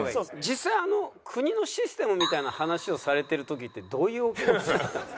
実際国のシステムみたいな話をされてる時ってどういうお気持ちだったんですか？